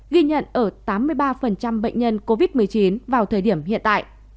ghi nhận ở tám mươi ba bệnh nhân covid một mươi chín vào thời điểm hiện tại